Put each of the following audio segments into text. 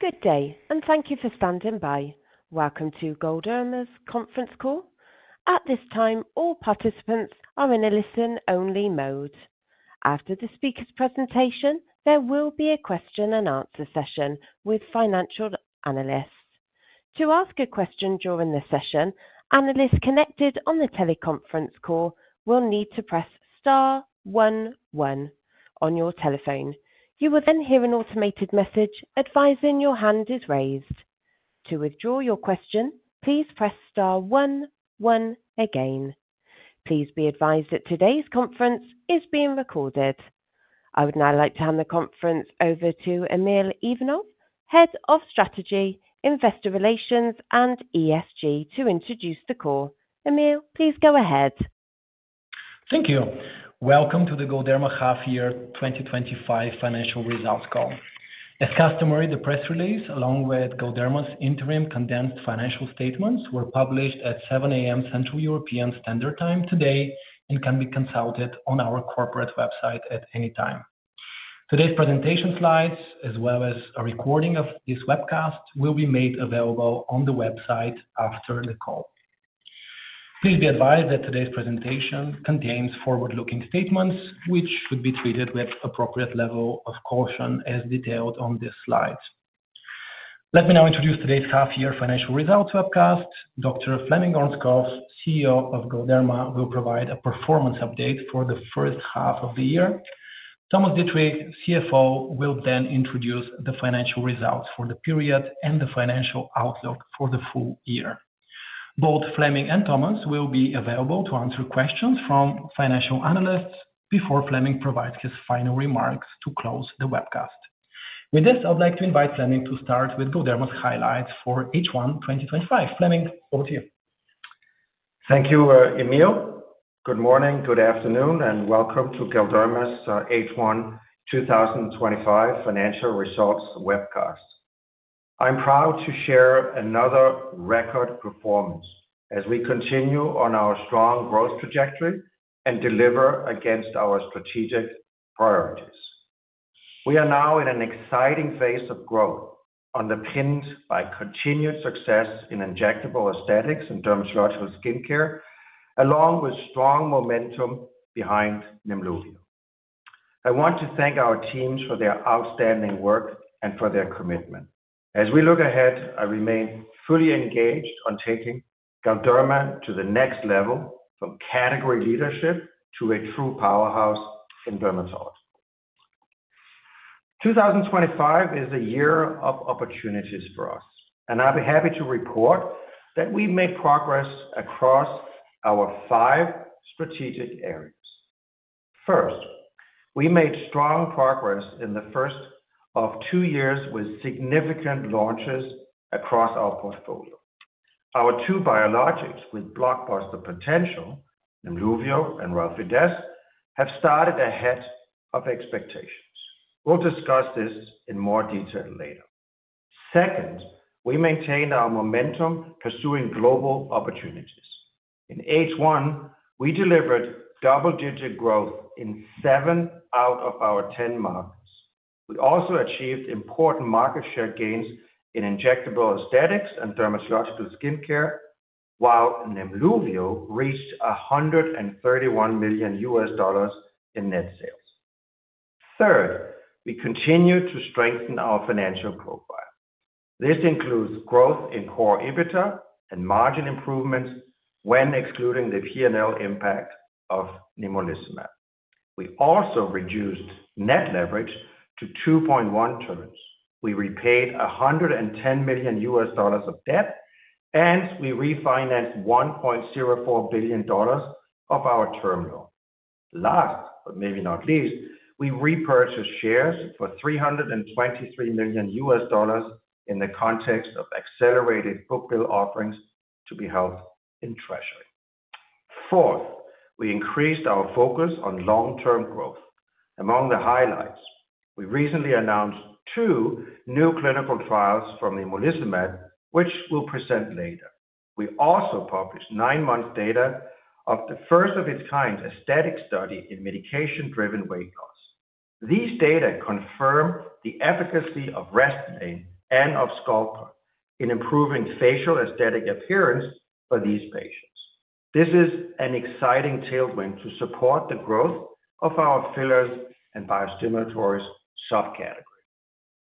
Good day, and thank you for standing by. Welcome to Galderma's Conference Call. At this time, all participants are in a listen-only mode. After the speaker's presentation, there will be a question-and-answer session with financial analysts. To ask a question during the session, analysts connected on the teleconference call will need to press star one one on your telephone. You will then hear an automated message advising your hand is raised. To withdraw your question, please press star one one again. Please be advised that today's conference is being recorded. I would now like to hand the conference over to Emil Ivanov, Head of Strategy, Investor Relations, and ESG, to introduce the call. Emil, please go ahead. Thank you. Welcome to the Galderma Half-Year 2025 Financial Results Call. As customary, the press release, along with Galderma's interim condensed financial statements, were published at 7:00 A.M. Central European Standard Time today and can be consulted on our corporate website at any time. Today's presentation slides, as well as a recording of this webcast, will be made available on the website after the call. Please be advised that today's presentation contains forward-looking statements, which should be treated with an appropriate level of caution, as detailed on this slide. Let me now introduce today's half-year financial results webcast. Dr. Flemming Ørnskov, CEO of Galderma, will provide a performance update for the first half of the year. Thomas Dittrich, CFO, will then introduce the financial results for the period and the financial outlook for the full year. Both Flemming and Thomas will be available to answer questions from financial analysts before Flemming provides his final remarks to close the webcast. With this, I would like to invite Flemming to start with Galderma's highlights for H1 2025. Flemming, over to you. Thank you, Emil. Good morning, good afternoon, and welcome to Galderma's H1 2025 Financial Results Webcast. I'm proud to share another record performance as we continue on our strong growth trajectory and deliver against our strategic priorities. We are now in an exciting phase of growth underpinned by continued success in injectable aesthetics and dermatological skincare, along with strong momentum behind Nemluvio. I want to thank our teams for their outstanding work and for their commitment. As we look ahead, I remain fully engaged in taking Galderma to the next level, from category leadership to a true powerhouse in dermatology. 2025 is a year of opportunities for us, and I'll be happy to report that we've made progress across our five strategic areas. First, we made strong progress in the first of two years with significant launches across our portfolio. Our two biologics with blockbuster potential, Nemluvio and Relfydess, have started ahead of expectations. We'll discuss this in more detail later. Second, we maintained our momentum pursuing global opportunities. In H1, we delivered double-digit growth in seven out of our 10 markets. We also achieved important market share gains in injectable aesthetics and dermatological skincare, while Nemluvio reached $131 million in net sales. Third, we continue to strengthen our financial profile. This includes growth in core EBITDA and margin improvements when excluding the P&L impact of nemolizumab. We also reduced net leverage to 2.1x. We repaid $110 million of debt, and we refinanced $1.04 billion of our term loan. Last, but maybe not least, we repurchased shares for $323 million in the context of accelerated book-build offerings to be held in treasury. Fourth, we increased our focus on long-term growth. Among the highlights, we recently announced two new clinical trials from nemolizumab, which we'll present later. We also published nine-month data of the first-of-its-kind aesthetic study in medication-driven weight loss. These data confirm the efficacy of Restylane and of Sculptra in improving facial aesthetic appearance for these patients. This is an exciting tailwind to support the growth of our fillers and biostimulators subcategory.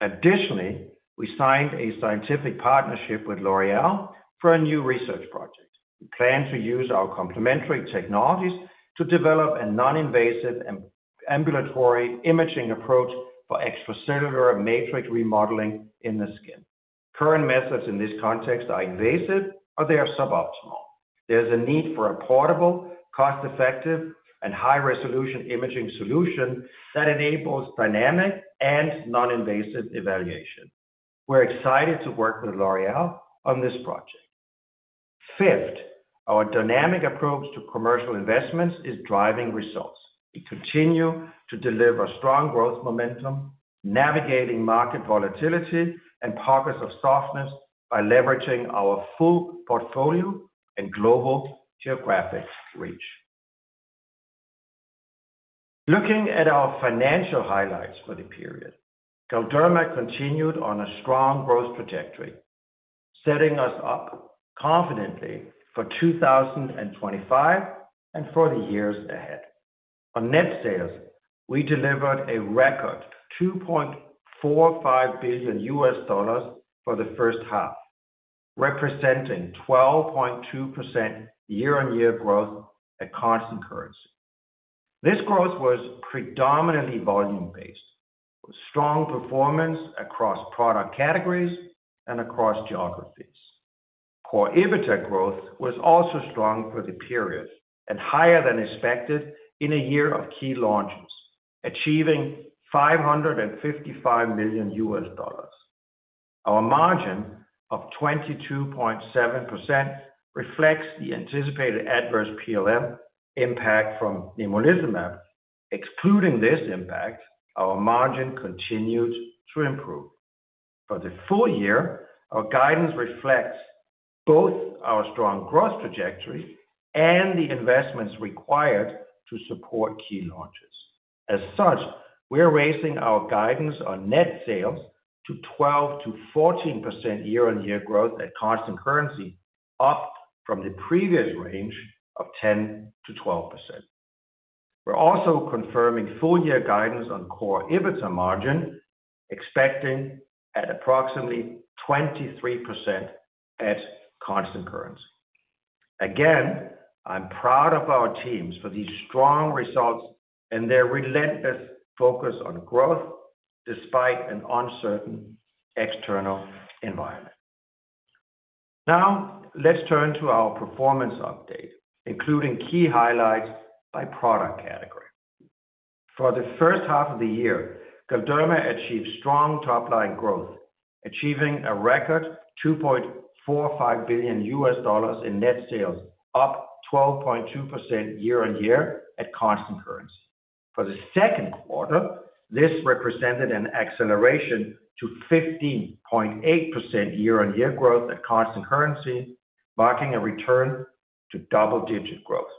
Additionally, we signed a scientific partnership with L’Oréal for a new research project. We plan to use our complementary technologies to develop a non-invasive ambulatory imaging approach for extracellular matrix remodeling in the skin. Current methods in this context are invasive, but they are suboptimal. There's a need for a portable, cost-effective, and high-resolution imaging solution that enables dynamic and non-invasive evaluation. We're excited to work with L’Oréal on this project. Fifth, our dynamic approach to commercial investments is driving results. We continue to deliver strong growth momentum, navigating market volatility and pockets of softness by leveraging our full portfolio and global geographic reach. Looking at our financial highlights for the period, Galderma continued on a strong growth trajectory, setting us up confidently for 2025 and for the years ahead. On net sales, we delivered a record $2.45 billion for the first half, representing 12.2% year-on-year growth at constant currency. This growth was predominantly volume-based, with strong performance across product categories and across geographies. Core EBITDA growth was also strong for the period and higher than expected in a year of key launches, achieving $555 million. Our margin of 22.7% reflects the anticipated adverse PLM impact from nemolizumab. Excluding this impact, our margin continued to improve. For the full year, our guidance reflects both our strong growth trajectory and the investments required to support key launches. As such, we're raising our guidance on net sales to 12%-14% year-on-year growth at constant currency, up from the previous range of 10%-12%. We're also confirming full-year guidance on core EBITDA margin, expecting at approximately 23% at constant currency. Again, I'm proud of our teams for these strong results and their relentless focus on growth despite an uncertain external environment. Now, let's turn to our performance update, including key highlights by product category. For the first half of the year, Galderma achieved strong top-line growth, achieving a record $2.45 billion in net sales, up 12.2% year-on-year at constant currency. For the second quarter, this represented an acceleration to 15.8% year-on-year growth at constant currency, marking a return to double-digit growth.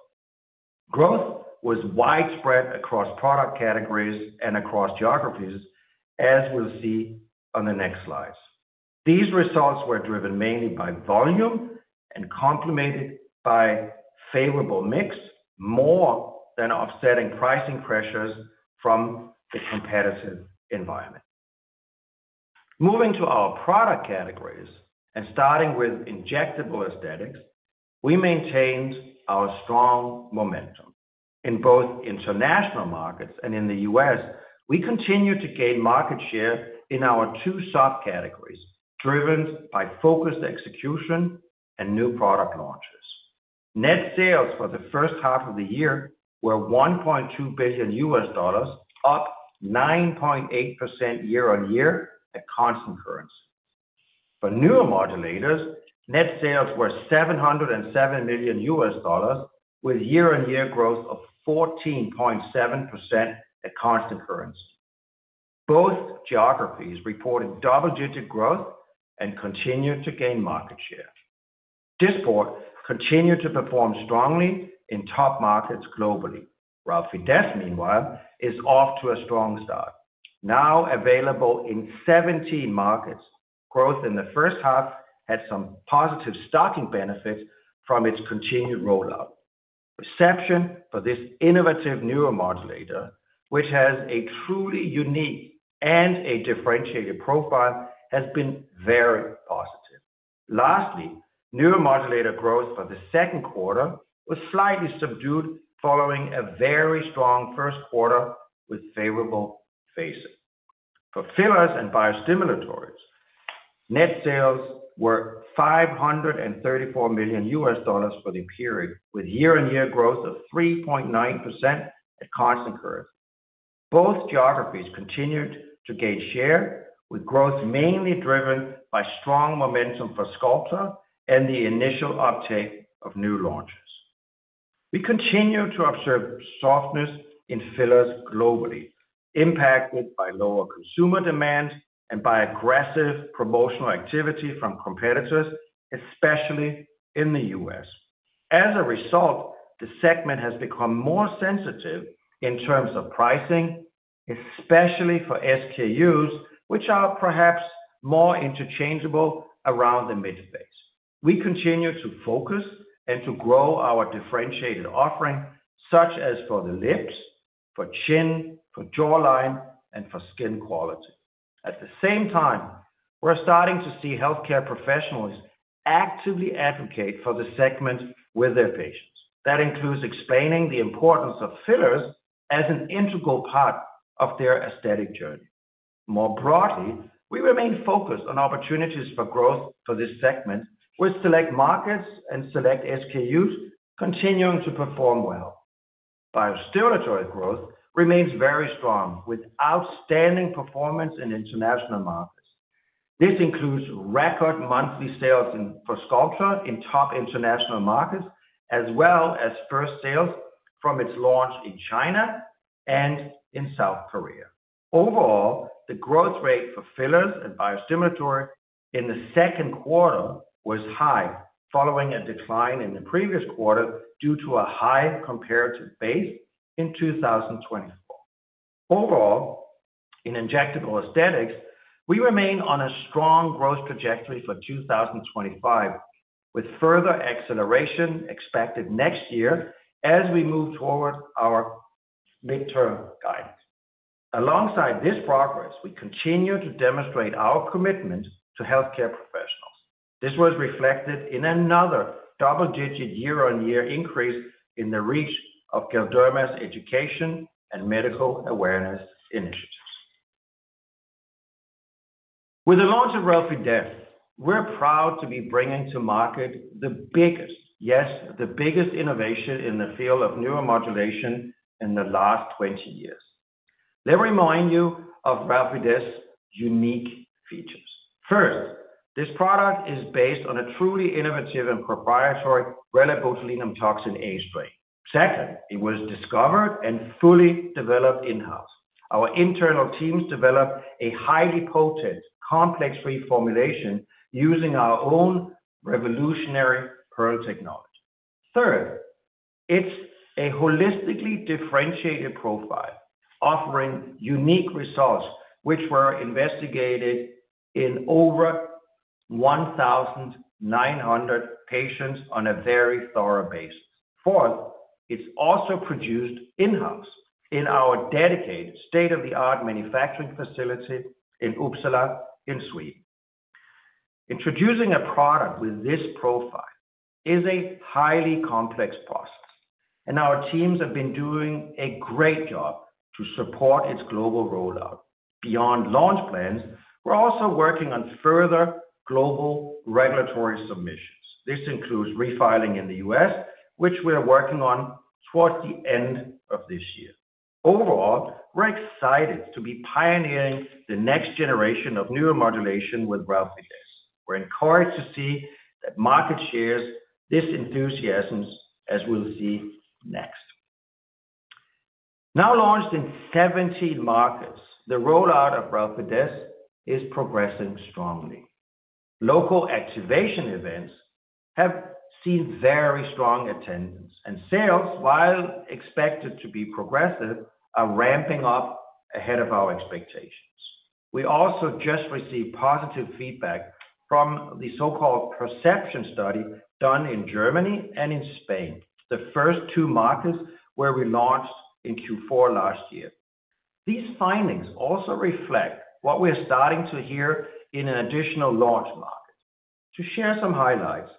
Growth was widespread across product categories and across geographies, as we'll see on the next slides. These results were driven mainly by volume and complemented by a favorable mix, more than offsetting pricing pressures from the competitive environment. Moving to our product categories and starting with injectable aesthetics, we maintained our strong momentum. In both international markets and in the U.S., we continued to gain market share in our two subcategories, driven by focused execution and new product launches. Net sales for the first half of the year were $1.2 billion, up 9.8% year-on-year at constant currency. For neuromodulators, net sales were $707 million, with year-on-year growth of 14.7% at constant currency. Both geographies reported double-digit growth and continued to gain market share. Dysport continued to perform strongly in top markets globally. Relfydess, meanwhile, is off to a strong start, now available in 17 markets. Growth in the first half had some positive stocking benefits from its continued rollout. Reception for this innovative neuromodulator, which has a truly unique and differentiated profile, has been very positive. Lastly, neuromodulator growth for the second quarter was slightly subdued following a very strong first quarter with favorable phasing. For fillers and biostimulators, net sales were $534 million for the period, with year-on-year growth of 3.9% at constant currency. Both geographies continued to gain share, with growth mainly driven by strong momentum for Sculptra and the initial uptake of new launches. We continue to observe softness in fillers globally, impacted by lower consumer demand and by aggressive promotional activity from competitors, especially in the U.S. As a result, the segment has become more sensitive in terms of pricing, especially for SKUs, which are perhaps more interchangeable around the middle phase. We continue to focus and to grow our differentiated offering, such as for the lips, for chin, for jawline, and for skin quality. At the same time, we're starting to see healthcare professionals actively advocate for the segment with their patients. That includes explaining the importance of fillers as an integral part of their aesthetic journey. More broadly, we remain focused on opportunities for growth for this segment, with select markets and select SKUs continuing to perform well. Biostimulatory growth remains very strong with outstanding performance in international markets. This includes record monthly sales for Sculptra in top international markets, as well as first sales from its launch in China and in South Korea. Overall, the growth rate for fillers and biostimulatory in the second quarter was high, following a decline in the previous quarter due to a high comparative base in 2024. Overall, in injectable aesthetics, we remain on a strong growth trajectory for 2025, with further acceleration expected next year as we move toward our midterm guidance. Alongside this progress, we continue to demonstrate our commitment to healthcare professionals. This was reflected in another double-digit year-on-year increase in the reach of Galderma's education and medical awareness initiatives. With the launch of Relfydess, we're proud to be bringing to market the biggest, yes, the biggest innovation in the field of neuromodulation in the last 20 years. Let me remind you of Relfydess' unique features. First, this product is based on a truly innovative and proprietary rilabutalineum toxin A strain. Second, it was discovered and fully developed in-house. Our internal teams developed a highly potent, complex-free formulation using our own revolutionary pearl technology. Third, it's a holistically differentiated profile, offering unique results which were investigated in over 1,900 patients on a very thorough basis. Fourth, it's also produced in-house in our dedicated state-of-the-art manufacturing facility in Uppsala in Sweden. Introducing a product with this profile is a highly complex process, and our teams have been doing a great job to support its global rollout. Beyond launch plans, we're also working on further global regulatory submissions. This includes refiling in the U.S., which we're working on towards the end of this year. Overall, we're excited to be pioneering the next generation of neuromodulation with Relfydess. We're encouraged to see that market shares this enthusiasm, as we'll see next. Now launched in 17 markets, the rollout of Relfydess is progressing strongly. Local activation events have seen very strong attendance, and sales, while expected to be progressive, are ramping up ahead of our expectations. We also just received positive feedback from the so-called perception study done in Germany and in Spain, the first two markets where we launched in Q4 last year. These findings also reflect what we're starting to hear in an additional launch market. To share some highlights,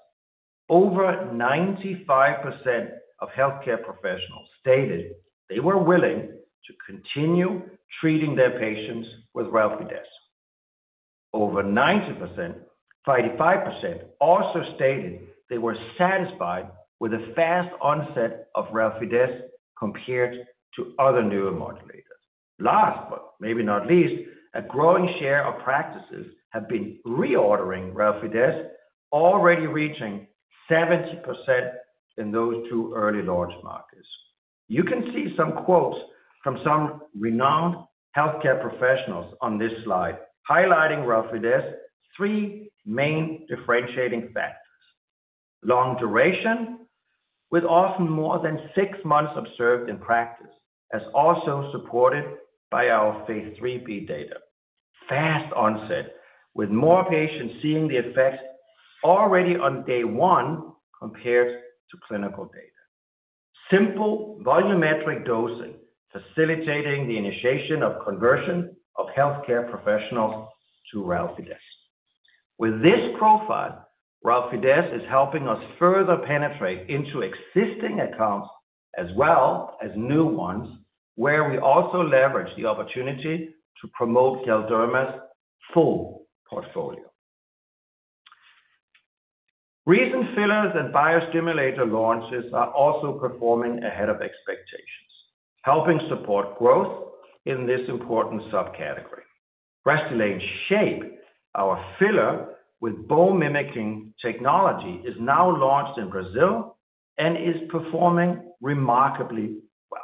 over 95% of healthcare professionals stated they were willing to continue treating their patients with Relfydess. Over 90%, 55% also stated they were satisfied with the fast onset of Relfydess compared to other neuromodulators. Last but maybe not least, a growing share of practices have been reordering Relfydess, already reaching 70% in those two early launch markets. You can see some quotes from some renowned healthcare professionals on this slide highlighting Relfydess' three main differentiating factors. Long duration, with often more than six months observed in practice, as also supported by our phase IIIb data. Fast onset, with more patients seeing the effects already on day one compared to clinical data. Simple volumetric dosing facilitating the initiation of conversion of healthcare professionals to Relfydess. With this profile, Relfydess is helping us further penetrate into existing accounts as well as new ones, where we also leverage the opportunity to promote Galderma's full portfolio. Recent fillers and biostimulator launches are also performing ahead of expectations, helping support growth in this important subcategory. Restylane SHAYPE, our filler with bone-mimicking technology, is now launched in Brazil and is performing remarkably well.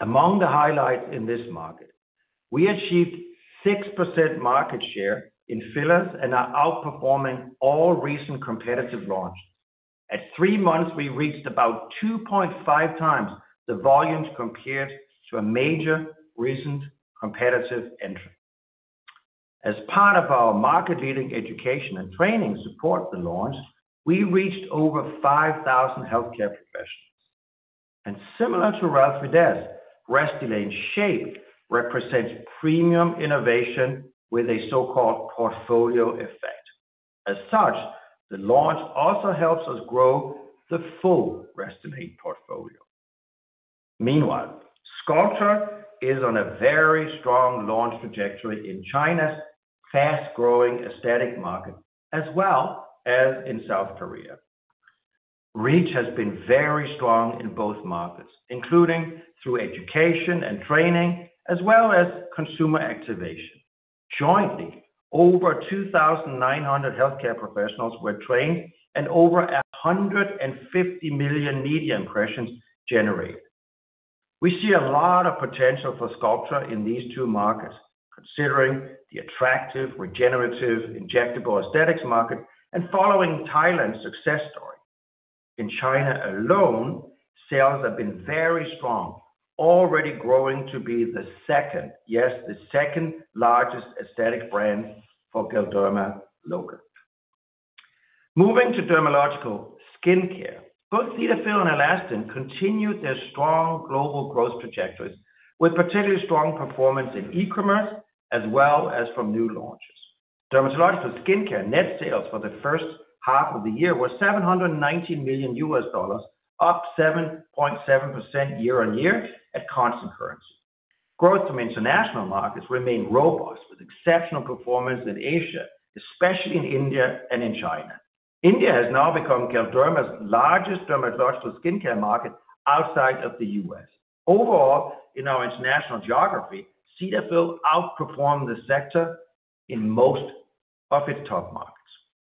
Among the highlights in this market, we achieved 6% market share in fillers and are outperforming all recent competitive launches. At three months, we reached about 2.5x the volumes compared to a major recent competitive entry. As part of our market-leading education and training support for the launch, we reached over 5,000 healthcare professionals. Similar to Relfydess, Restylane SHAYPE represents premium innovation with a so-called portfolio effect. As such, the launch also helps us grow the full Restylane portfolio. Meanwhile, Sculptra is on a very strong launch trajectory in China's fast-growing aesthetic market, as well as in South Korea. Reach has been very strong in both markets, including through education and training, as well as consumer activation. Jointly, over 2,900 healthcare professionals were trained, and over 150 million media impressions generated. We see a lot of potential for Sculptra in these two markets, considering the attractive regenerative injectable aesthetics market and following Thailand's success story. In China alone, sales have been very strong, already growing to be the second, yes, the second largest aesthetic brand for Galderma locally. Moving to dermatological skincare, both Cetaphil and ALASTIN continued their strong global growth trajectories, with particularly strong performance in e-commerce as well as from new launches. Dermatological skincare net sales for the first half of the year were $719 million, up 7.7% year-on-year at constant currency. Growth from international markets remained robust, with exceptional performance in Asia, especially in India and in China. India has now become Galderma's largest dermatological skincare market outside of the US. Overall, in our international geography, Cetaphil outperformed the sector in most of its top markets.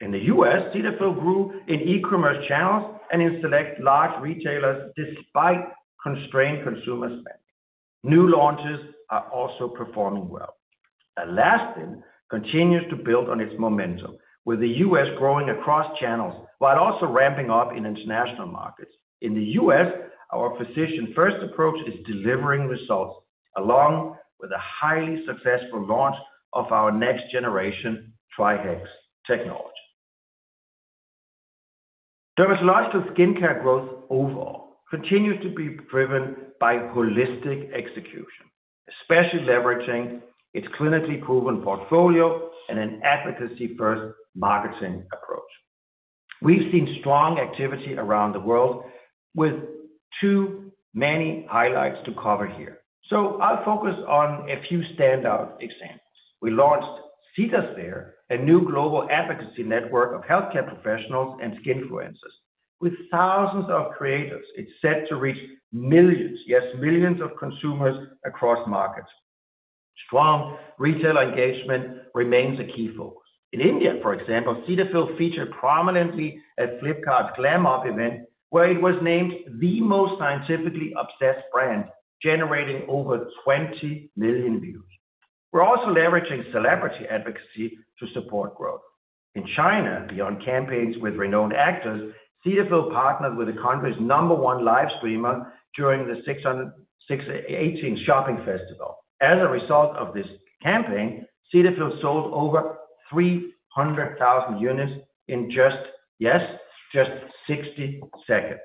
In the U.S., Cetaphil grew in e-commerce channels and in select large retailers, despite constrained consumer spending. New launches are also performing well. ALASTIN continues to build on its momentum, with the U.S. growing across channels while also ramping up in international markets. In the U.S., our physician-first approach is delivering results, along with a highly successful launch of our next-generation TriHex technology. Dermatological skincare growth overall continues to be driven by holistic execution, especially leveraging its clinically proven portfolio and an advocacy-first marketing approach. We've seen strong activity around the world, with too many highlights to cover here. I will focus on a few standout examples. We launched Cetaphil, a new global advocacy network of healthcare professionals and skin influencers. With thousands of creators, it's set to reach millions, yes, millions of consumers across markets. Strong retail engagement remains a key focus. In India, for example, Cetaphil featured prominently at Flipkart's Glam Up event, where it was named the most scientifically obsessed brand, generating over 20 million views. We're also leveraging celebrity advocacy to support growth. In China, beyond campaigns with renowned actors, Cetaphil partnered with the country's number one live streamer during the 618th Shopping Festival. As a result of this campaign, Cetaphil sold over 300,000 units in just, yes, just 60 seconds.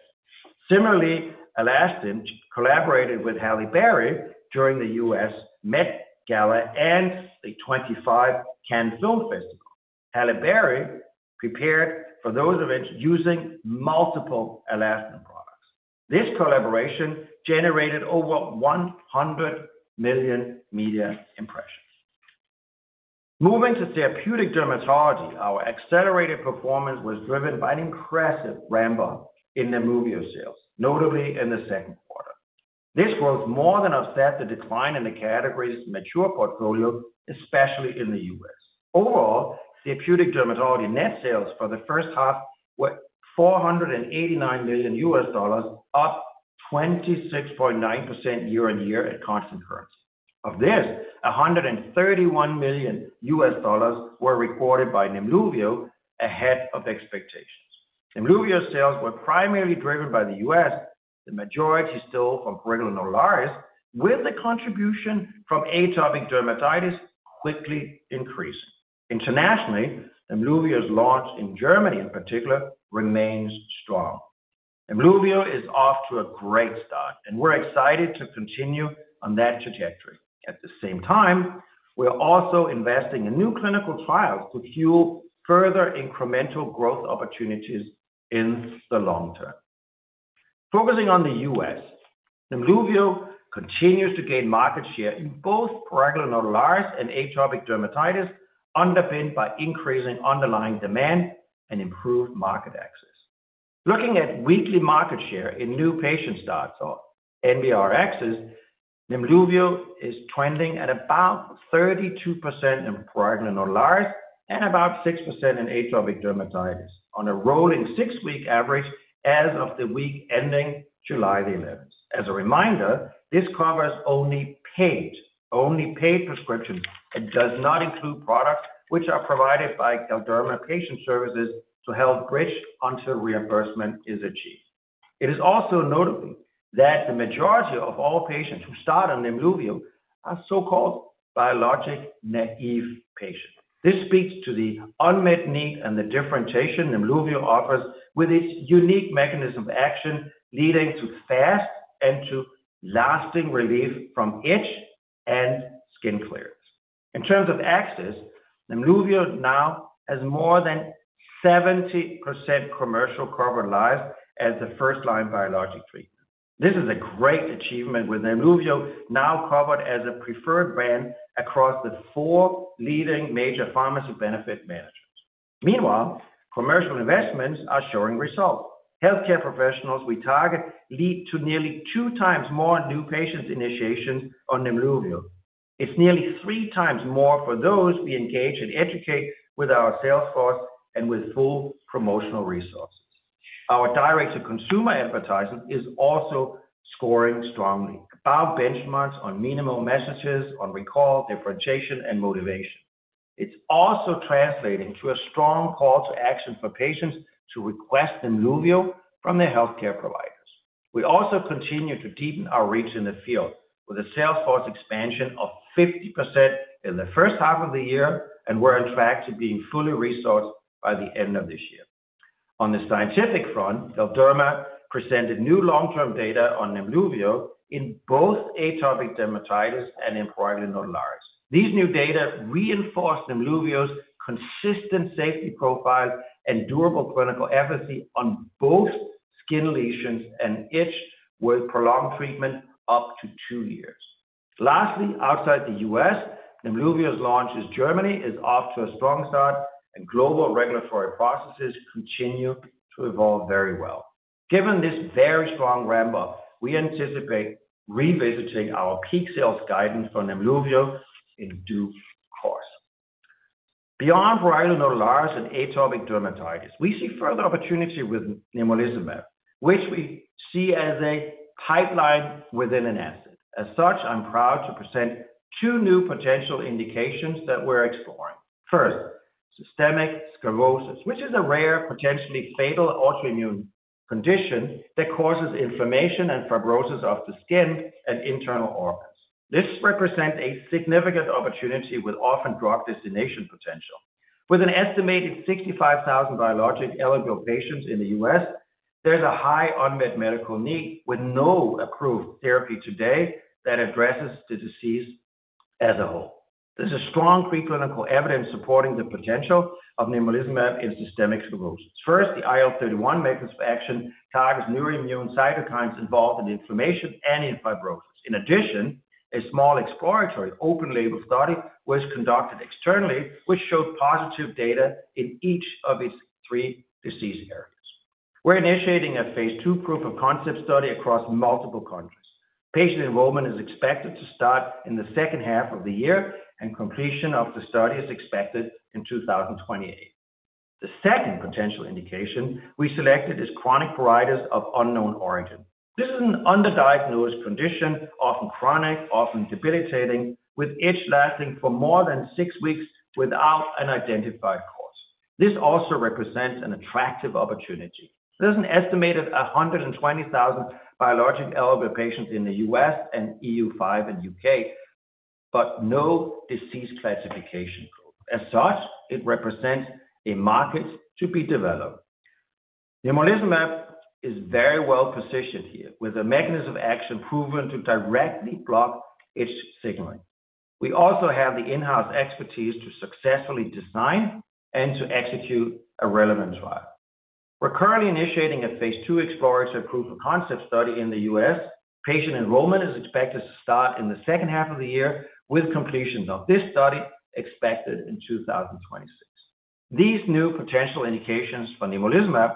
Similarly, ALASTIN collaborated with Halle Berry during the U.S. Met Gala and the 2025 Cannes Film Festival. Halle Berry prepared for those events using multiple ALASTIN products. This collaboration generated over 100 million media impressions. Moving to therapeutic dermatology, our accelerated performance was driven by an impressive ramp-up in Nemluvio sales, notably in the second quarter. This growth more than offset the decline in the category's mature portfolio, especially in the U.S. Overall, therapeutic dermatology net sales for the first half were $489 million, up 26.9% year-on-year at constant currency. Of this, $131 million were recorded by Nemluvio ahead of expectations. Nemluvio's sales were primarily driven by the U.S., the majority still from prurigo nodularis, with the contribution from atopic dermatitis quickly increasing. Internationally, Nemluvio's launch in Germany, in particular, remains strong. Nemluvio is off to a great start, and we're excited to continue on that trajectory. At the same time, we're also investing in new clinical trials to fuel further incremental growth opportunities in the long term. Focusing on the U.S., Nemluvio continues to gain market share in both prurigo nodularis and atopic dermatitis, underpinned by increasing underlying demand and improved market access. Looking at weekly market share in new patient starts or NBR access, Nemluvio is trending at about 32% in prurigo nodularis and about 6% in atopic dermatitis, on a rolling six-week average as of the week ending July the 11th. As a reminder, this covers only paid, only paid prescriptions and does not include products which are provided by Galderma patient services to help bridge until reimbursement is achieved. It is also notable that the majority of all patients who start on Nemluvio are so-called biologic naive patients. This speaks to the unmet need and the differentiation Nemluvio offers with its unique mechanism of action, leading to fast and to lasting relief from itch and skin clearance. In terms of access, Nemluvio now has more than 70% commercial covered lives as the first-line biologic treatment. This is a great achievement, with Nemluvio now covered as a preferred brand across the four leading major pharmacy benefit managers. Meanwhile, commercial investments are showing results. Healthcare professionals we target lead to nearly 2x more new patient initiations on Nemluvio. It's nearly 3x more for those we engage and educate with our sales force and with full promotional resources. Our direct-to-consumer advertising is also scoring strongly, about benchmarks on minimum messages, on recall, differentiation, and motivation. It's also translating to a strong call to action for patients to request Nemluvio from their healthcare providers. We also continue to deepen our reach in the field with a sales force expansion of 50% in the first half of the year, and we're on track to being fully resourced by the end of this year. On the scientific front, Galderma presented new long-term data on Nemluvio in both atopic dermatitis and in prurigo nodularis. These new data reinforce Nemluvio's consistent safety profile and durable clinical efficacy on both skin lesions and itch with prolonged treatment up to two years. Lastly, outside the U.S., Nemluvio's launch in Germany is off to a strong start, and global regulatory processes continue to evolve very well. Given this very strong ramp-up, we anticipate revisiting our peak sales guidance for Nemluvio in due course. Beyond prurigo nodularis and atopic dermatitis, we see further opportunity with nemolizumab, which we see as a pipeline within an asset. As such, I'm proud to present two new potential indications that we're exploring. First, systemic sclerosis, which is a rare, potentially fatal autoimmune condition that causes inflammation and fibrosis of the skin and internal organs. This represents a significant opportunity with orphan drug designation potential. With an estimated 65,000 biologic eligible patients in the U.S., there's a high unmet medical need with no approved therapy today that addresses the disease as a whole. There's strong preclinical evidence supporting the potential of nemolizumab in systemic sclerosis. First, the IL-31 mechanism of action targets neuroimmune cytokines involved in inflammation and in fibrosis. In addition, a small exploratory open-label study was conducted externally, which showed positive data in each of its three disease areas. We're initiating a phase II proof-of-concept study across multiple countries. Patient enrollment is expected to start in the second half of the year, and completion of the study is expected in 2028. The second potential indication we selected is chronic pruritus of unknown origin. This is an underdiagnosed condition, often chronic, often debilitating, with itch lasting for more than six weeks without an identified cause. This also represents an attractive opportunity. There's an estimated 120,000 biologic eligible patients in the U.S. and EU5 and the U.K., but no disease classification group. As such, it represents a market to be developed. Nemolizumab is very well positioned here, with a mechanism of action proven to directly block itch signaling. We also have the in-house expertise to successfully design and to execute a relevant trial. We're currently initiating a phase II exploratory proof-of-concept study in the U.S. Patient enrollment is expected to start in the second half of the year, with completion of this study expected in 2026. These new potential indications for nemolizumab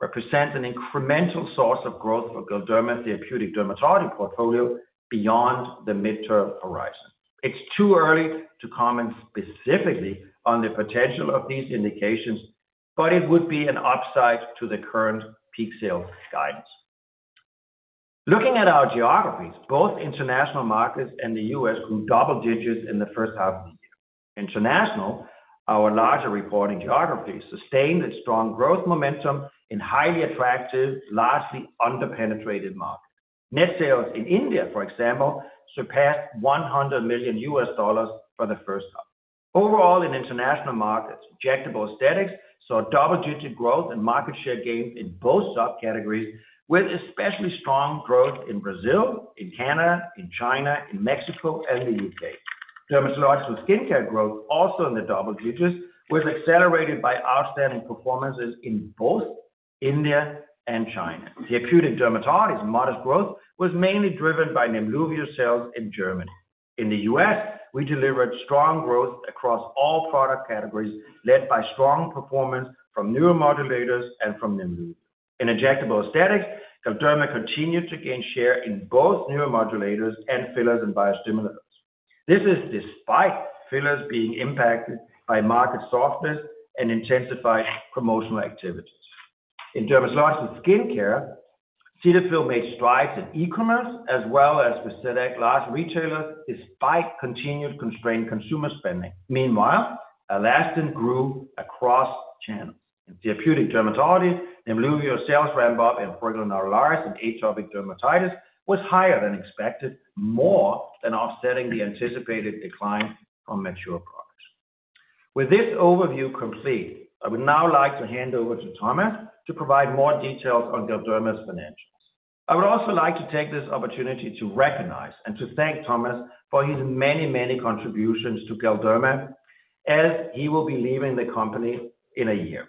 represent an incremental source of growth for Galderma therapeutic dermatology portfolio beyond the midterm horizon. It's too early to comment specifically on the potential of these indications, but it would be an upside to the current peak sales guidance. Looking at our geographies, both international markets and the U.S. grew double digits in the first half of the year. International, our larger reporting geographies sustained a strong growth momentum in highly attractive, largely under-penetrated markets. Net sales in India, for example, surpassed $100 million for the first half. Overall, in international markets, injectable aesthetics saw double-digit growth and market share gains in both subcategories, with especially strong growth in Brazil, in Canada, in China, in Mexico, and the U.K. Dermatological skincare growth also in the double digits, accelerated by outstanding performances in both India and China. Therapeutic dermatology modest growth was mainly driven by Nemluvio sales in Germany. In the U.S., we delivered strong growth across all product categories led by strong performance from neuromodulators and from Nemluvio. In injectable aesthetics, Galderma continued to gain share in both neuromodulators and fillers and biostimulators. This is despite fillers being impacted by market softness and intensified promotional activities. In dermatological skincare, Cetaphil made strides in e-commerce as well as with select large retailers despite continued constrained consumer spending. Meanwhile, ALASTIN grew across channels. In therapeutic dermatology, Nemluvio sales ramp-up in prurigo nodularis and atopic dermatitis was higher than expected, more than offsetting the anticipated decline from mature products. With this overview complete, I would now like to hand over to Thomas to provide more details on Galderma's financials. I would also like to take this opportunity to recognize and to thank Thomas for his many, many contributions to Galderma, as he will be leaving the company in a year.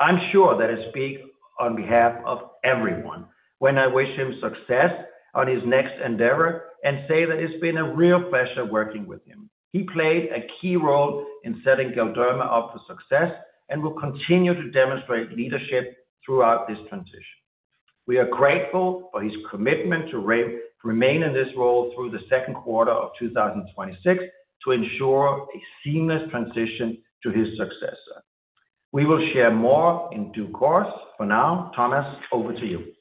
I'm sure that I speak on behalf of everyone when I wish him success on his next endeavor and say that it's been a real pleasure working with him. He played a key role in setting Galderma up for success and will continue to demonstrate leadership throughout this transition. We are grateful for his commitment to remain in this role through the second quarter of 2026 to ensure a seamless transition to his successor. We will share more in due course. For now, Thomas, over to you.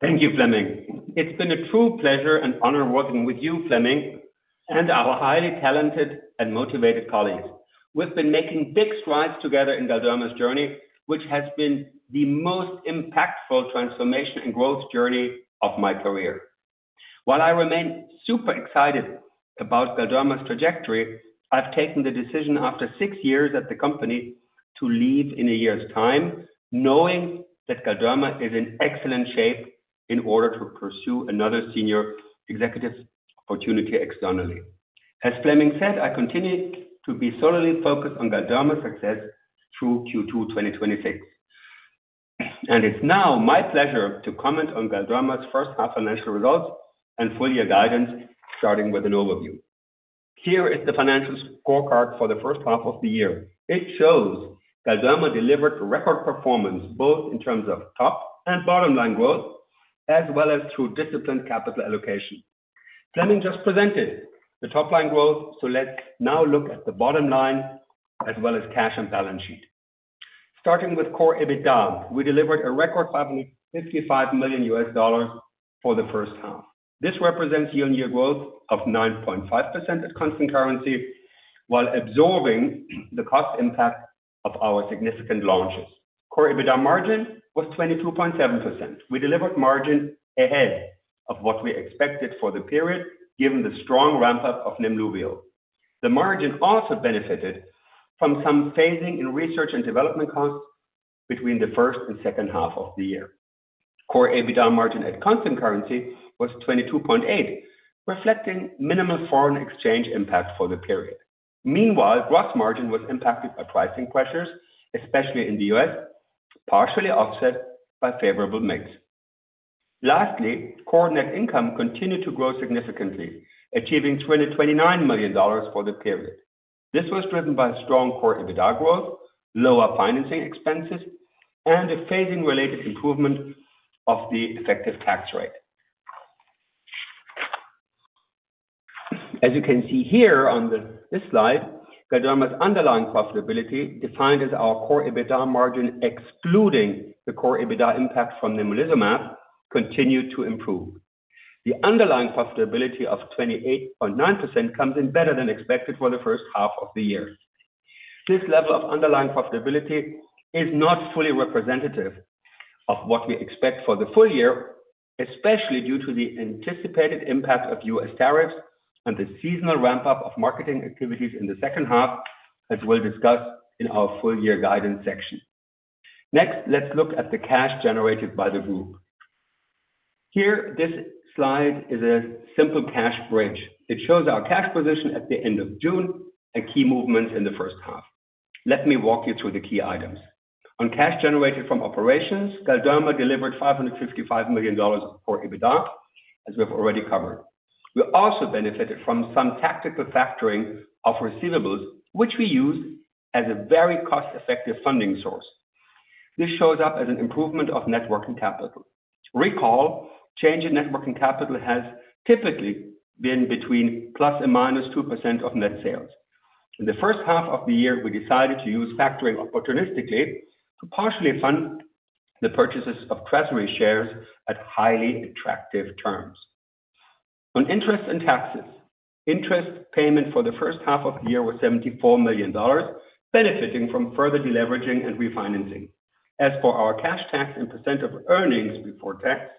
Thank you, Flemming. It's been a true pleasure and honor working with you, Flemming, and our highly talented and motivated colleagues. We've been making big strides together in Galderma's journey, which has been the most impactful transformation and growth journey of my career. While I remain super excited about Galderma's trajectory, I've taken the decision after six years at the company to leave in a year's time, knowing that Galderma is in excellent shape in order to pursue another senior executive opportunity externally. As Flemming said, I continue to be solely focused on Galderma's success through Q2 2026. It's now my pleasure to comment on Galderma's first-half financial results and full-year guidance, starting with an overview. Here is the financial scorecard for the first half of the year. It shows Galderma delivered record performance both in terms of top and bottom-line growth, as well as through disciplined capital allocation. Flemming just presented the top-line growth, so let's now look at the bottom line as well as cash and balance sheet. Starting with core EBITDA, we delivered a record $555 million for the first half. This represents year-on-year growth of 9.5% at constant currency while absorbing the cost impact of our significant launches. Core EBITDA margin was 22.7%. We delivered margin ahead of what we expected for the period, given the strong ramp-up of Nemluvio. The margin also benefited from some phasing in research and development costs between the first and second half of the year. Core EBITDA margin at constant currency was 22.8%, reflecting minimal foreign exchange impact for the period. Meanwhile, gross margin was impacted by pricing pressures, especially in the U.S., partially offset by favorable mix. Lastly, core net income continued to grow significantly, achieving $229 million for the period. This was driven by strong core EBITDA growth, lower financing expenses, and a phasing-related improvement of the effective tax rate. As you can see here on this slide, Galderma's underlying profitability, defined as our core EBITDA margin excluding the core EBITDA impact from nemolizumab, continued to improve. The underlying profitability of 28.9% comes in better than expected for the first half of the year. This level of underlying profitability is not fully representative of what we expect for the full year, especially due to the anticipated impact of U.S. tariffs and the seasonal ramp-up of marketing activities in the second half, as we'll discuss in our full-year guidance section. Next, let's look at the cash generated by the group. Here, this slide is a simple cash bridge. It shows our cash position at the end of June and key movements in the first half. Let me walk you through the key items. On cash generated from operations, Galderma delivered $555 million of core EBITDA, as we've already covered. We also benefited from some tactical factoring of receivables, which we used as a very cost-effective funding source. This shows up as an improvement of net working capital. Recall, change in net working capital has typically been between ±2% of net sales. In the first half of the year, we decided to use factoring opportunistically to partially fund the purchases of treasury shares at highly attractive terms. On interest and taxes, interest payment for the first half of the year was $74 million, benefiting from further deleveraging and refinancing. As for our cash tax and percent of earnings before tax,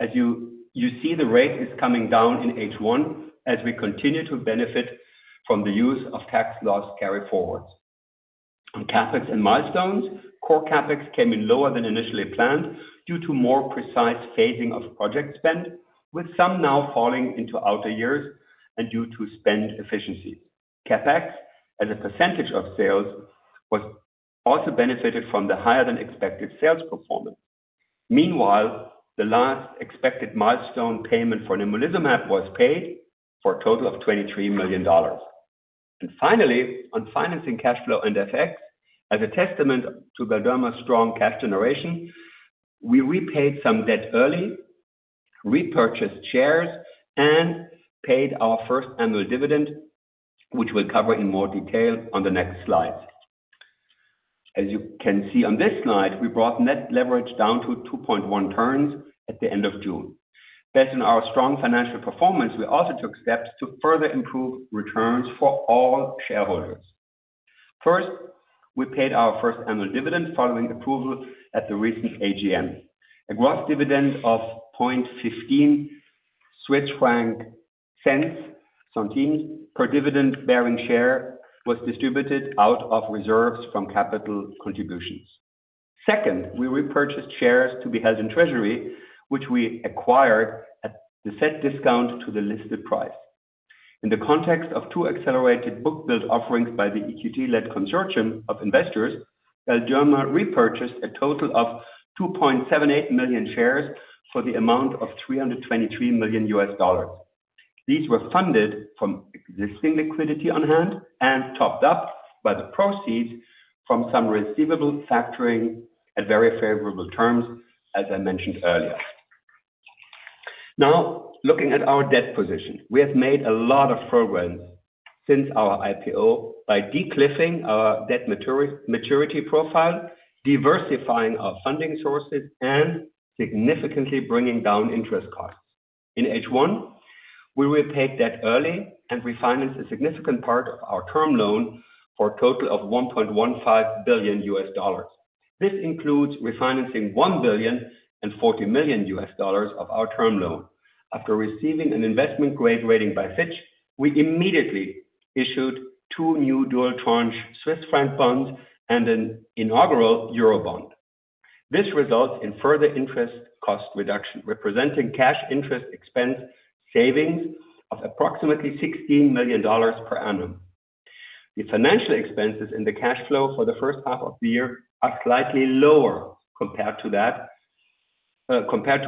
as you see, the rate is coming down in H1 as we continue to benefit from the use of tax loss carry forwards. On CapEx and milestones, core CapEx came in lower than initially planned due to more precise phasing of project spend, with some now falling into outer years and due to spend efficiencies. CapEx, as a percentage of sales, also benefited from the higher-than-expected sales performance. Meanwhile, the last expected milestone payment for nemolizumab was paid for a total of $23 million. Finally, on financing cash flow and FX, as a testament to Galderma's strong cash generation, we repaid some debt early, repurchased shares, and paid our first annual dividend, which we'll cover in more detail on the next slides. As you can see on this slide, we brought net leverage down to 2.1 turns at the end of June. Based on our strong financial performance, we also took steps to further improve returns for all shareholders. First, we paid our first annual dividend following approval at the recent AGM. A gross dividend of 0.15 franc per dividend-bearing share was distributed out of reserves from capital contributions. Second, we repurchased shares to be held in treasury, which we acquired at the set discount to the listed price. In the context of two accelerated book-build offerings by the EQT-led consortium of investors, Galderma repurchased a total of 2.78 million shares for the amount of $323 million. These were funded from existing liquidity on hand and topped up by the proceeds from some receivable factoring at very favorable terms, as I mentioned earlier. Now, looking at our debt position, we have made a lot of progress since our IPO by de-cliffing our debt maturity profile, diversifying our funding sources, and significantly bringing down interest costs. In H1, we repaid debt early and refinanced a significant part of our term loan for a total of $1.15 billion. This includes refinancing $1 billion and $40 million of our term loan. After receiving an investment-grade rating by Fitch, we immediately issued two new dual-tranche Swiss franc bonds and an inaugural euro bond. This results in further interest cost reduction, representing cash interest expense savings of approximately $16 million per annum. The financial expenses in the cash flow for the first half of the year are slightly lower compared to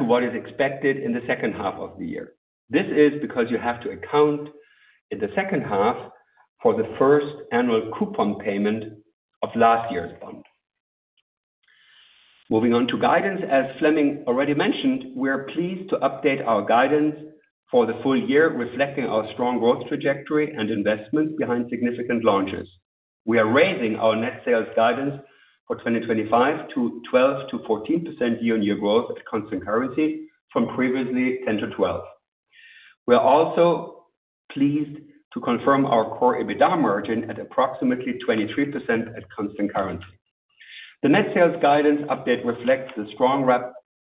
what is expected in the second half of the year. This is because you have to account in the second half for the first annual coupon payment of last year's bond. Moving on to guidance, as Flemming already mentioned, we are pleased to update our guidance for the full year, reflecting our strong growth trajectory and investments behind significant launches. We are raising our net sales guidance for 2025 to 12%-14% year-on-year growth at constant currency from previously 10%-12%. We are also pleased to confirm our core EBITDA margin at approximately 23% at constant currency. The net sales guidance update reflects the strong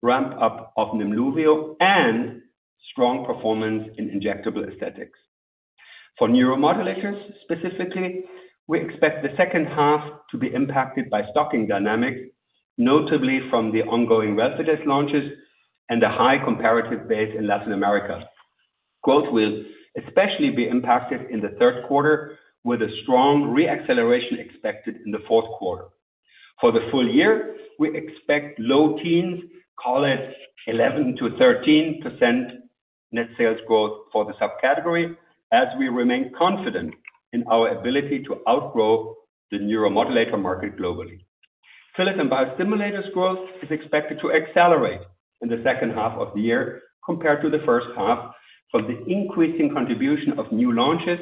ramp-up of Nemluvio and strong performance in injectable aesthetics. For neuromodulators, specifically, we expect the second half to be impacted by stocking dynamics, notably from the ongoing relevant launches and the high comparative base in Latin America. Growth will especially be impacted in the third quarter, with a strong re-acceleration expected in the fourth quarter. For the full year, we expect low teens, call it 11%-13% net sales growth for the subcategory, as we remain confident in our ability to outgrow the neuromodulator market globally. Fillers and biostimulators growth is expected to accelerate in the second half of the year compared to the first half from the increasing contribution of new launches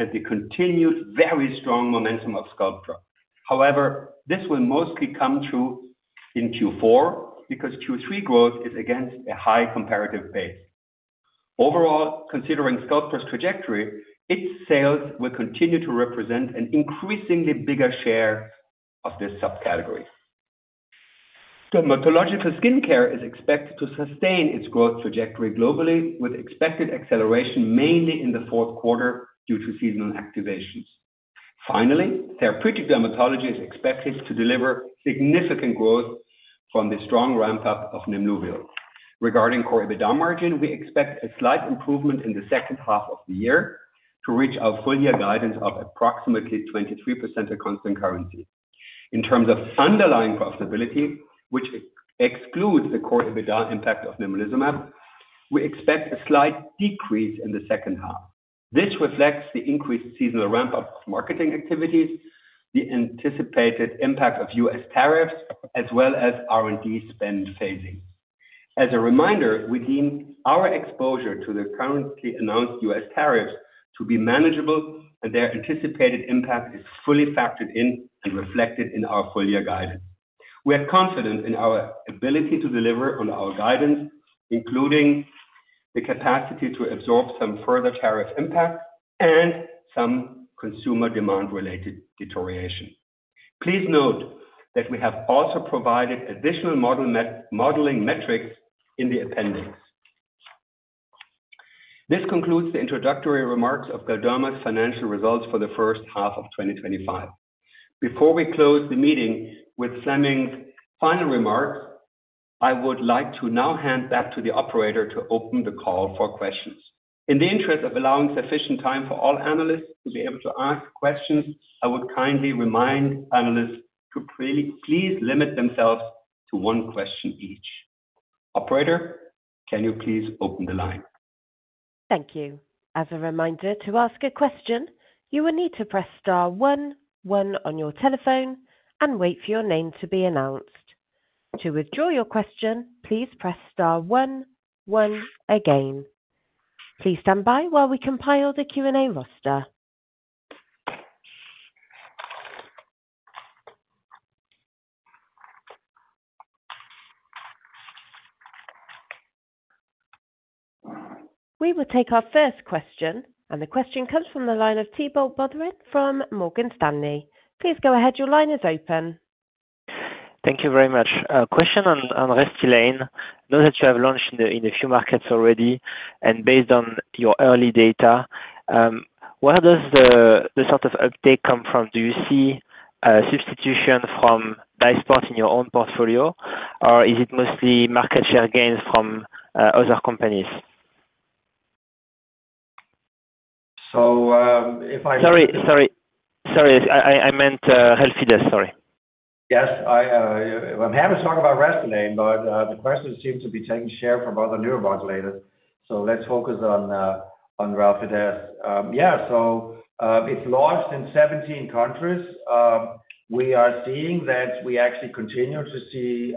and the continued very strong momentum of Sculptra. However, this will mostly come true in Q4 because Q3 growth is against a high comparative base. Overall, considering Sculptra's trajectory, its sales will continue to represent an increasingly bigger share of this subcategory. Dermatological skincare is expected to sustain its growth trajectory globally, with expected acceleration mainly in the fourth quarter due to seasonal activations. Finally, therapeutic dermatology is expected to deliver significant growth from the strong ramp-up of Nemluvio. Regarding core EBITDA margin, we expect a slight improvement in the second half of the year to reach our full-year guidance of approximately 23% at constant currency. In terms of underlying profitability, which excludes the core EBITDA impact of nemolizumab, we expect a slight decrease in the second half. This reflects the increased seasonal ramp-up of marketing activities, the anticipated impact of U.S. tariffs, as well as R&D spend phasing. As a reminder, we deem our exposure to the currently announced U.S. tariffs to be manageable, and their anticipated impact is fully factored in and reflected in our full-year guidance. We are confident in our ability to deliver on our guidance, including the capacity to absorb some further tariff impact and some consumer demand-related deterioration. Please note that we have also provided additional modeling metrics in the appendix. This concludes the introductory remarks of Galderma's financial results for the first half of 2025. Before we close the meeting with Flemming's final remarks, I would like to now hand back to the operator to open the call for questions. In the interest of allowing sufficient time for all analysts to be able to ask questions, I would kindly remind analysts to please limit themselves to one question each. Operator, can you please open the line? Thank you. As a reminder, to ask a question, you will need to press star one one on your telephone and wait for your name to be announced. To withdraw your question, please press star one one again. Please stand by while we compile the Q&A roster. We will take our first question, and the question comes from the line of Thibault Boutherin from Morgan Stanley. Please go ahead. Your line is open. Thank you very much. Question on Restylane. I know that you have launched in a few markets already, and based on your early data, where does the sort of uptake come from? Do you see a substitution from Dysport in your own portfolio, or is it mostly market share gains from other companies? If I— Sorry, sorry. Sorry. I meant Relfydess, sorry. Yes.I'm happy to talk about Restylane, but the questions seem to be taking share from other neuromodulators, so let's focus on Relfydess. Yeah. So it's launched in 17 countries. We are seeing that we actually continue to see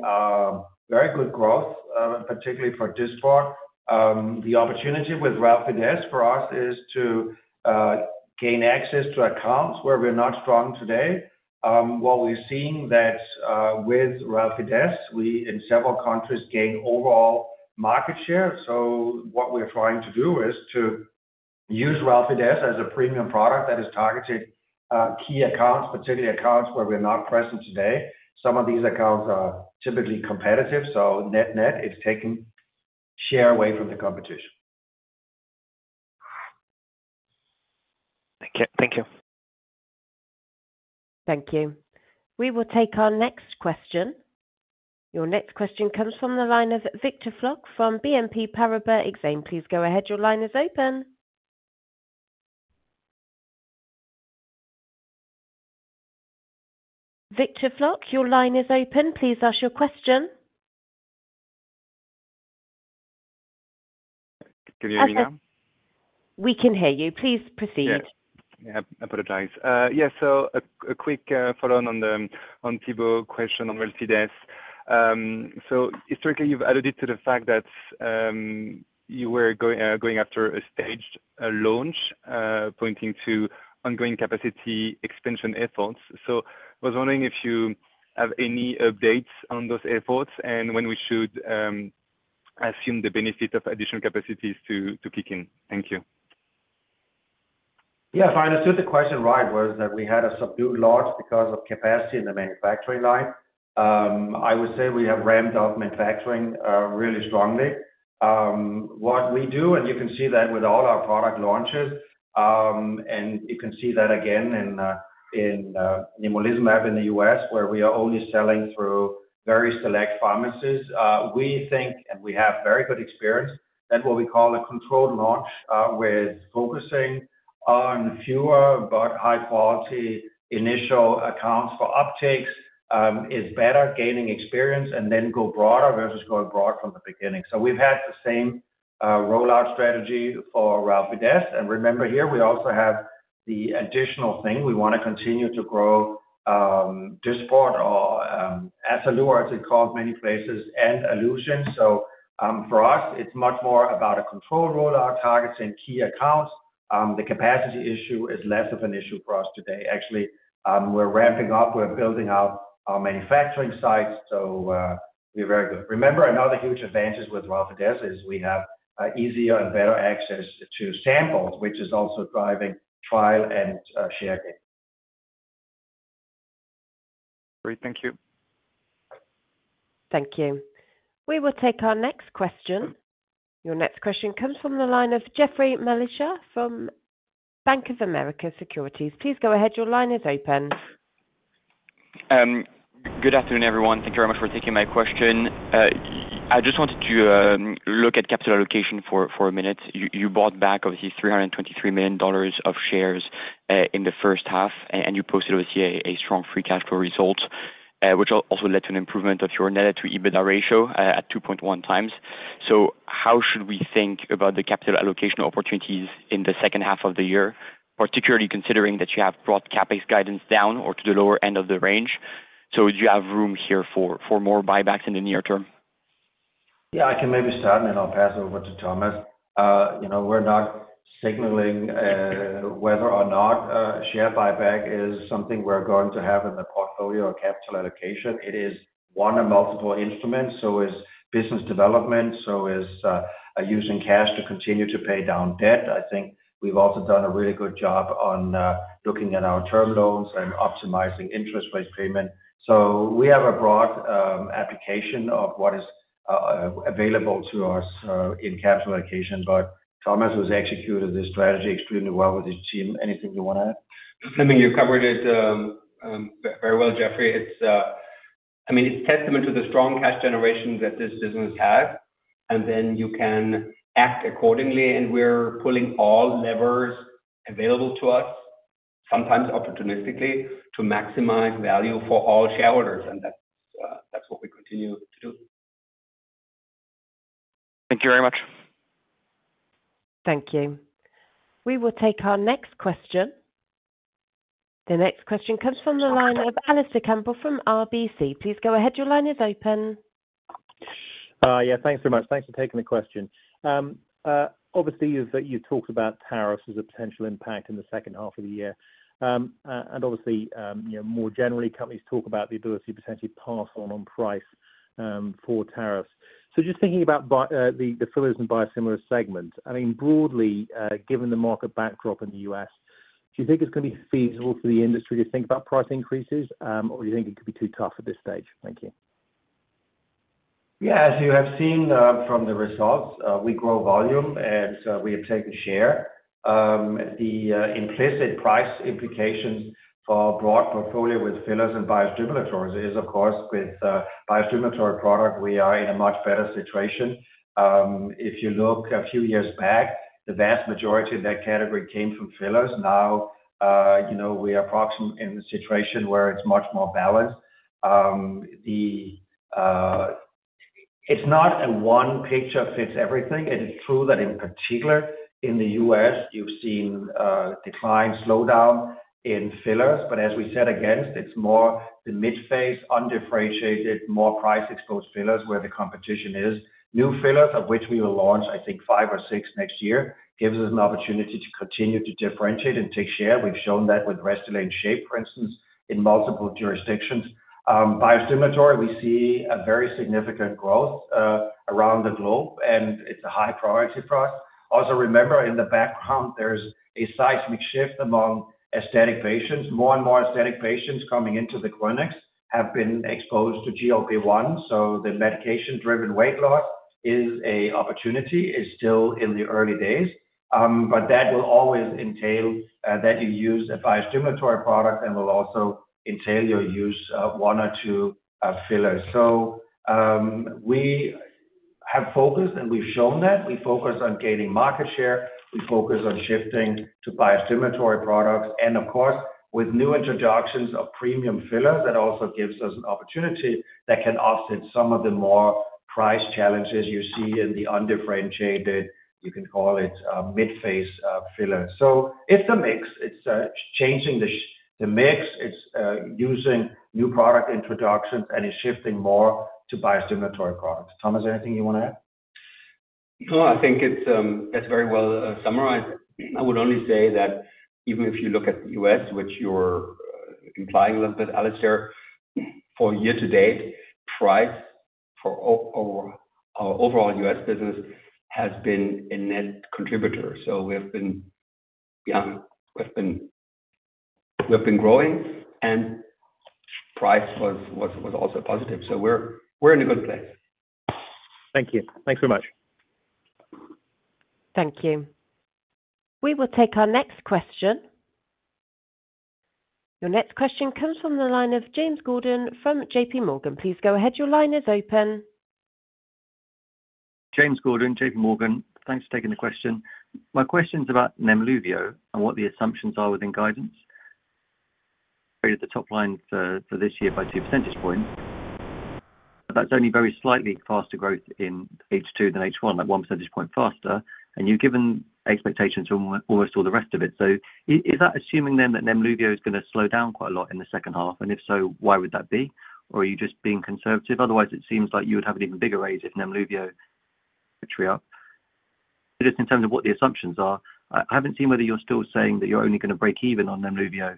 very good growth, particularly for Dysport. The opportunity with Relfydess for us is to gain access to accounts where we're not strong today. What we're seeing is that with Relfydess, we in several countries gain overall market share. What we're trying to do is to use Relfydess as a premium product that is targeted at key accounts, particularly accounts where we're not present today. Some of these accounts are typically competitive, so net-net, it's taking share away from the competition. Thank you. Thank you. We will take our next question. Your next question comes from the line of Victor Floc'h from BNP Paribas Exane. Please go ahead. Your line is open. Victor Floc'h, your line is open. Please ask your question. Can you hear me now? We can hear you. Please proceed. Yeah. Apologize. Yeah. So a quick follow-on on Thibault's question on Relfydess. Historically, you've alluded to the fact that you were going after a staged launch pointing to ongoing capacity expansion efforts. I was wondering if you have any updates on those efforts and when we should assume the benefit of additional capacities to kick in. Thank you. Yeah. If I understood the question right, was that we had a subdued launch because of capacity in the manufacturing line. I would say we have ramped up manufacturing really strongly. What we do, and you can see that with all our product launches, and you can see that again in nemolizumab in the U.S., where we are only selling through very select pharmacies. We think, and we have very good experience, that what we call a controlled launch with focusing on fewer but high-quality initial accounts for uptakes is better for gaining experience and then go broader versus going broad from the beginning. We've had the same rollout strategy for Relfydess. Remember here, we also have the additional thing. We want to continue to grow Dysport or Azzalure, as it's called in many places, and Alluzience. For us, it's much more about a controlled rollout targeting key accounts. The capacity issue is less of an issue for us today. Actually, we're ramping up. We're building out our manufacturing sites. We're very good. Remember, another huge advantage with Ralphides is we have easier and better access to samples, which is also driving trial and share gain. Great. Thank you. Thank you. We will take our next question. Your next question comes from the line of Jeffrey Mellisher from Banc of America Securities. Please go ahead. Your line is open. Good afternoon, everyone. Thank you very much for taking my question. I just wanted to look at capital allocation for a minute. You bought back, obviously, $323 million of shares in the first half, and you posted, obviously, a strong free cash flow result, which also led to an improvement of your net to EBITDA ratio at 2.1x. How should we think about the capital allocation opportunities in the second half of the year, particularly considering that you have brought CapEx guidance down or to the lower end of the range? Do you have room here for more buybacks in the near term? Yeah. I can maybe start, and then I'll pass over to Thomas. We're not signaling whether or not a share buyback is something we're going to have in the portfolio or capital allocation. It is one of multiple instruments, so is business development, so is using cash to continue to pay down debt. I think we've also done a really good job on looking at our term loans and optimizing interest rate payment. We have a broad application of what is available to us in capital allocation, but Thomas has executed this strategy extremely well with his team. Anything you want to add? I mean, you covered it very well, Jeffrey. I mean, it's testament to the strong cash generation that this business has, and then you can act accordingly. We're pulling all levers available to us, sometimes opportunistically, to maximize value for all shareholders, and that's what we continue to do. Thank you very much. Thank you. We will take our next question. The next question comes from the line of Alastair Campbell from RBC. Please go ahead. Your line is open. Yeah. Thanks very much. Thanks for taking the question. Obviously, you've talked about tariffs as a potential impact in the second half of the year. More generally, companies talk about the ability to potentially pass on price for tariffs. Just thinking about the fillers and biostimulator segment, I mean, broadly, given the market backdrop in the U.S., do you think it's going to be feasible for the industry to think about price increases, or do you think it could be too tough at this stage? Thank you. Yeah. As you have seen from the results, we grow volume, and we have taken share. The implicit price implications for a broad portfolio with fillers and biostimulators is, of course, with biostimulator product, we are in a much better situation. If you look a few years back, the vast majority of that category came from fillers. Now. We are in a situation where it's much more balanced. It's not a one picture fits everything. It is true that in particular, in the U.S., you've seen a decline slowdown in fillers. But as we said again, it's more the mid-phase, undifferentiated, more price-exposed fillers where the competition is. New fillers, of which we will launch, I think, five or six next year, gives us an opportunity to continue to differentiate and take share. We've shown that with Restylane SHAYPE, for instance, in multiple jurisdictions. Biostimulatory, we see a very significant growth around the globe, and it's a high priority for us. Also, remember, in the background, there's a seismic shift among aesthetic patients. More and more aesthetic patients coming into the clinics have been exposed to GLP-1. So the medication-driven weight loss is an opportunity. It's still in the early days, but that will always entail that you use a biostimulatory product and will also entail your use of one or two fillers. We have focused, and we've shown that. We focus on gaining market share. We focus on shifting to biostimulatory products. And of course, with new introductions of premium fillers, that also gives us an opportunity that can offset some of the more price challenges you see in the undifferentiated, you can call it mid-phase fillers. It's a mix. It's changing the mix. It's using new product introductions, and it's shifting more to biostimulatory products. Thomas, anything you want to add? No, I think it's very well summarized. I would only say that even if you look at the U.S., which you're implying a little bit, Alistair, for year to date, price for our overall U.S. business has been a net contributor. We've been growing, and price was also positive. We're in a good place. Thank you. Thanks very much. Thank you. We will take our next question. Your next question comes from the line of James Gordon from JPMorgan. Please go ahead. Your line is open. James Gordon, JPMorgan. Thanks for taking the question. My question's about Nemluvio and what the assumptions are within guidance. At the top line for this year by two percentage points. That's only very slightly faster growth in H2 than H1, like one percentage point faster, and you've given expectations to almost all the rest of it. Is that assuming then that Nemluvio is going to slow down quite a lot in the second half? If so, why would that be? Are you just being conservative? Otherwise, it seems like you would have an even bigger raise if Nemluvio tripped up. Just in terms of what the assumptions are, I haven't seen whether you're still saying that you're only going to break even on Nemluvio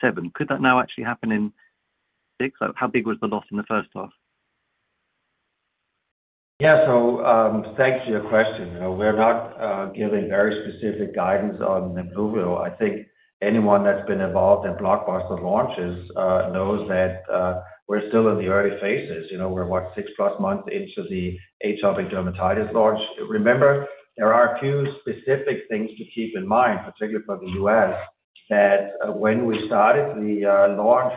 7. Could that now actually happen in 6? How big was the loss in the first half? Yeah. So thanks for your question. We're not giving very specific guidance on Nemluvio. I think anyone that's been involved in blockbuster launches knows that. We're still in the early phases. We're what, 6+ months into the atopic dermatitis launch. Remember, there are a few specific things to keep in mind, particularly for the U.S., that when we started the launch,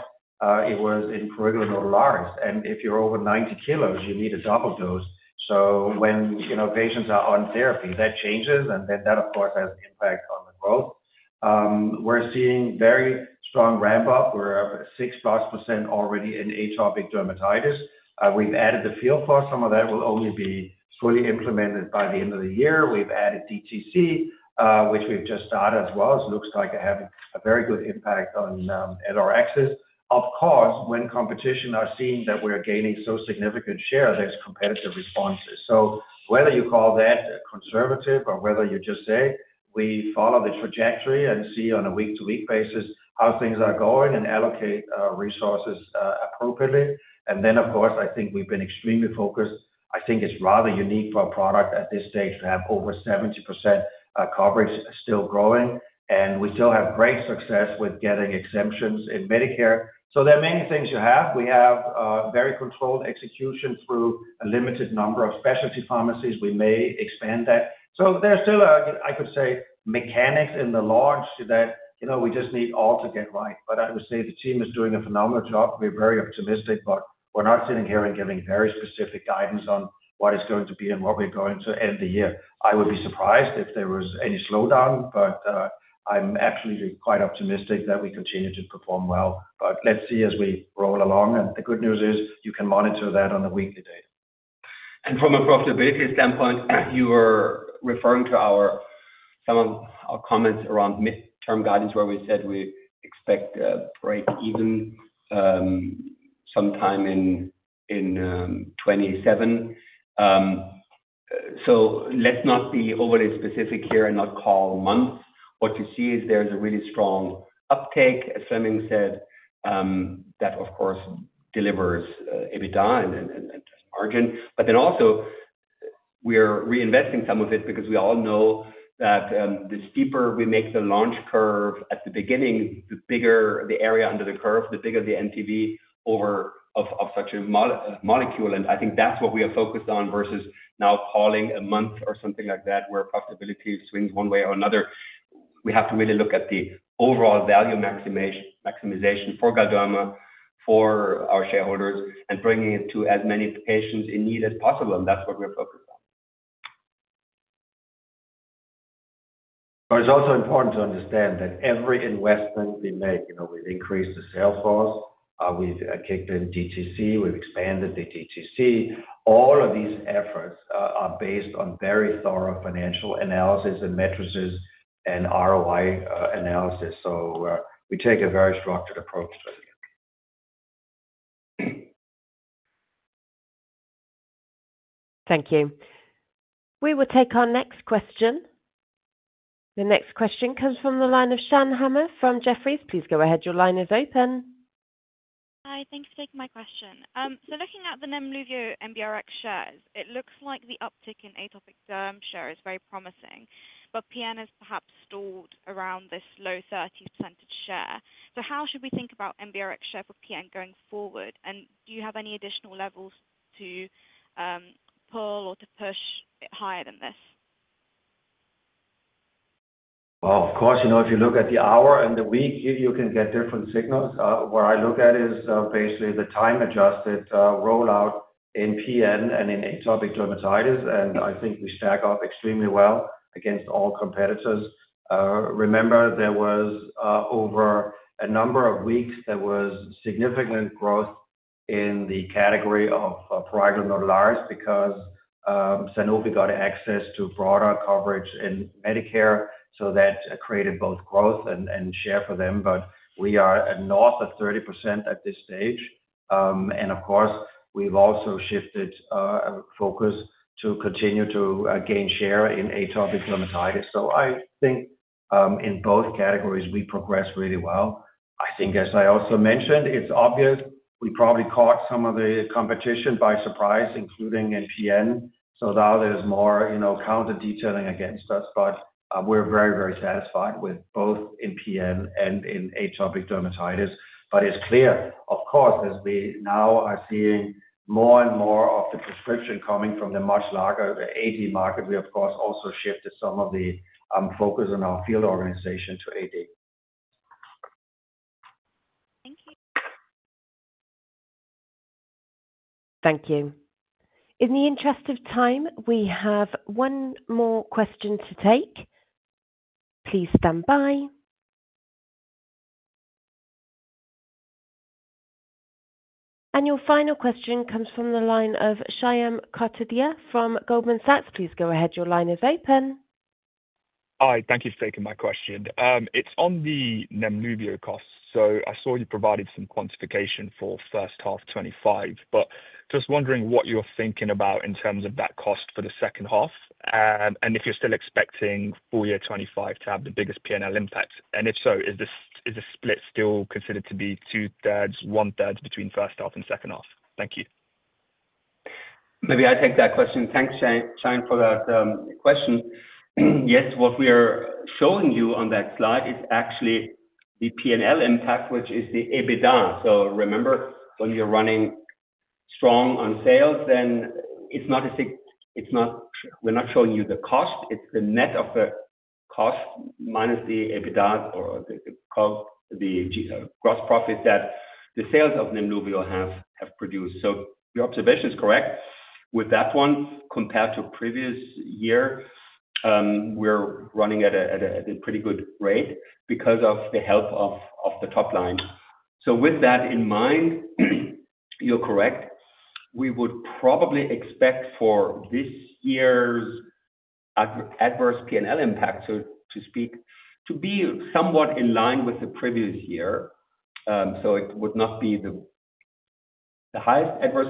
it was in parabenotolonics. And if you're over 90 kg, you need a double dose. So when patients are on therapy, that changes, and then that, of course, has an impact on the growth. We're seeing very strong ramp-up. We're up 6% already in atopic dermatitis. We've added the Fieldforce. Some of that will only be fully implemented by the end of the year. We've added DTC, which we've just started as well. It looks like it has a very good impact on our axis. Of course, when competition are seeing that we're gaining so significant share, there's competitive responses. Whether you call that conservative or whether you just say we follow the trajectory and see on a week-to-week basis how things are going and allocate resources appropriately. I think we've been extremely focused. I think it's rather unique for a product at this stage to have over 70% coverage still growing. We still have great success with getting exemptions in Medicare. There are many things you have. We have very controlled execution through a limited number of specialty pharmacies. We may expand that. There's still, I could say, mechanics in the launch that we just need all to get right. I would say the team is doing a phenomenal job. We're very optimistic, but we're not sitting here and giving very specific guidance on what is going to be and what we're going to end the year. I would be surprised if there was any slowdown, but I'm absolutely quite optimistic that we continue to perform well. Let's see as we roll along. The good news is you can monitor that on a weekly date. From a profitability standpoint, you were referring to some of our comments around mid-term guidance where we said we expect a break-even sometime in 2027. Let's not be overly specific here and not call months. What you see is there's a really strong uptake, as Flemming said. That, of course, delivers EBITDA and margin. Then also, we're reinvesting some of it because we all know that the steeper we make the launch curve at the beginning, the bigger the area under the curve, the bigger the NPV of such a molecule. I think that's what we are focused on versus now calling a month or something like that where profitability swings one way or another. We have to really look at the overall value maximization for Galderma, for our shareholders, and bringing it to as many patients in need as possible. That's what we're focused on. But it's also important to understand that every investment we make, we've increased the sales force, we've kicked in DTC, we've expanded the DTC. All of these efforts are based on very thorough financial analysis and matrices and ROI analysis. We take a very structured approach to it. Thank you. We will take our next question. The next question comes from the line of Shan Hama from Jefferies. Please go ahead. Your line is open. Hi. Thanks for taking my question. Looking at the Nemluvio MBRX shares, it looks like the uptick in atopic derm share is very promising, but PN has perhaps stalled around this low 30% share. How should we think about MBRX share for PN going forward? And do you have any additional levels to pull or to push higher than this? Of course, if you look at the hour and the week, you can get different signals. What I look at is basically the time-adjusted rollout in PN and in atopic dermatitis. I think we stack up extremely well against all competitors. Remember, over a number of weeks there was significant growth in the category of parabenotolonics because Sanofi got access to broader coverage in Medicare. That created both growth and share for them. We are north of 30% at this stage. Of course, we've also shifted focus to continue to gain share in atopic dermatitis. I think in both categories, we progressed really well. I think, as I also mentioned, it's obvious we probably caught some of the competition by surprise, including in PN. Now there's more counter-detailing against us. We're very, very satisfied with both in PN and in atopic dermatitis. It's clear, of course, as we now are seeing more and more of the prescription coming from the much larger AD market, we, of course, also shifted some of the focus on our field organization to AD. Thank you. In the interest of time, we have one more question to take. Please stand by. Your final question comes from the line of Shayan Qatidia from Goldman Sachs. Please go ahead. Your line is open. Hi. Thank you for taking my question. It's on the Nemluvio cost. I saw you provided some quantification for first half 2025, but just wondering what you're thinking about in terms of that cost for the second half and if you're still expecting full year 2025 to have the biggest PNL impact. If so, is the split still considered to be 2/3, 1/3 between first half and second half? Thank you. Maybe I take that question. Thanks, Shyam, for that question. Yes, what we are showing you on that slide is actually the PNL impact, which is the EBITDA. Remember, when you're running strong on sales, then it's not. We're not showing you the cost. It's the net of the cost minus the EBITDA or the. Gross profit that the sales of Nemluvio have produced. Your observation is correct with that one. Compared to previous year, we're running at a pretty good rate because of the help of the top line. With that in mind, you're correct. We would probably expect for this year's adverse PNL impact, so to speak, to be somewhat in line with the previous year. It would not be the highest adverse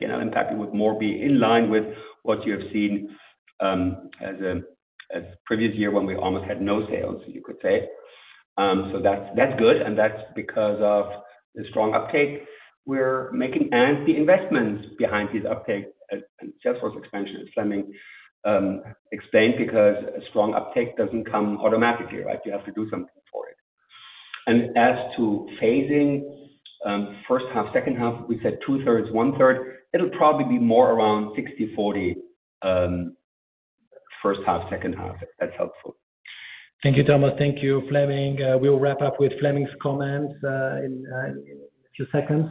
PNL impact. It would more be in line with what you have seen as a previous year when we almost had no sales, you could say. That's good. That's because of the strong uptake we're making and the investments behind these uptakes. Salesforce expansion, as Flemming explained, because a strong uptake doesn't come automatically, right? You have to do something for it. As to phasing, first half, second half, we said 2/3, 1/3, it'll probably be more around 60/40, first half, second half. That's helpful. Thank you, Thomas. Thank you, Flemming. We'll wrap up with Flemming's comments in a few seconds.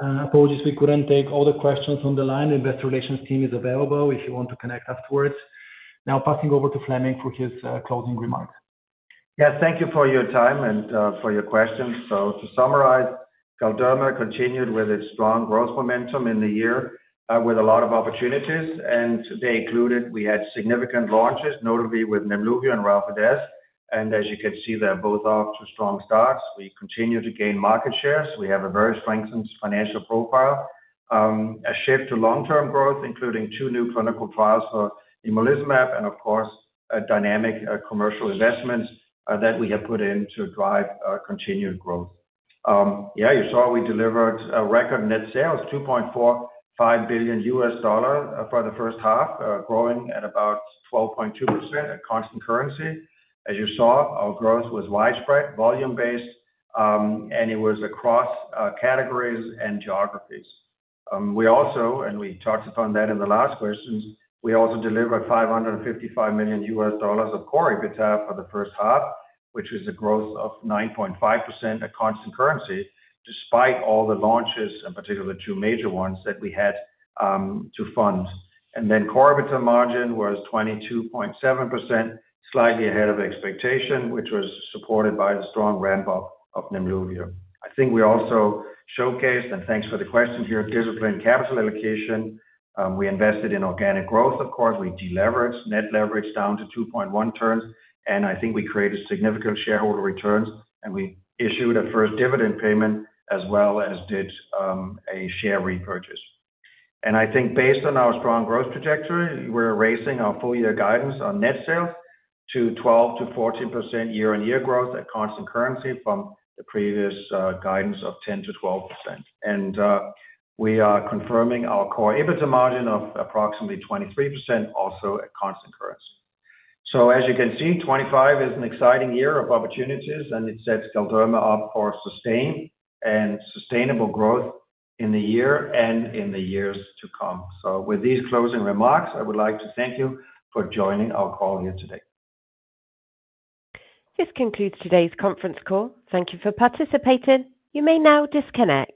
Apologies, we couldn't take all the questions on the line. The investor relations team is available if you want to connect afterwards. Now passing over to Flemming for his closing remarks. Yes, thank you for your time and for your questions. To summarize, Galderma continued with its strong growth momentum in the year with a lot of opportunities. They included significant launches, notably with Nemluvio and Relfydess. As you can see, they're both off to strong starts. We continue to gain market shares. We have a very strengthened financial profile. A shift to long-term growth, including two new clinical trials for nemolizumab and, of course, dynamic commercial investments that we have put in to drive continued growth. You saw we delivered record net sales, $2.45 billion for the first half, growing at about 12.2% at constant currency. As you saw, our growth was widespread, volume-based, and it was across categories and geographies. We also, and we touched upon that in the last questions, delivered $555 million of core EBITDA for the first half, which was a growth of 9.5% at constant currency, despite all the launches, in particular two major ones that we had to fund. Core EBITDA margin was 22.7%, slightly ahead of expectation, which was supported by the strong ramp-up of Nemluvio. I think we also showcased, and thanks for the question here, disciplined capital allocation. We invested in organic growth, of course. We deleveraged, net leverage down to 2.1 turns. I think we created significant shareholder returns. We issued a first dividend payment as well as did a share repurchase. I think based on our strong growth trajectory, we're raising our full year guidance on net sales to 12-14% year-on-year growth at constant currency from the previous guidance of 10-12%. We are confirming our core EBITDA margin of approximately 23%, also at constant currency. As you can see, 2025 is an exciting year of opportunities, and it sets Galderma up for sustained and sustainable growth in the year and in the years to come. With these closing remarks, I would like to thank you for joining our call here today. This concludes today's conference call. Thank you for participating. You may now disconnect.